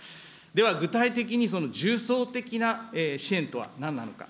では、具体的にその重層的な支援とはなんなのか。